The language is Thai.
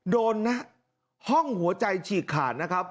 โดนนะห้องหัวใจฉีกขาดนะครับ